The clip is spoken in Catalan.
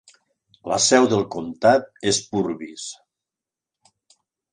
La seu del comtat és Purvis.